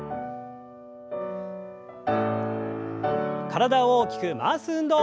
体を大きく回す運動。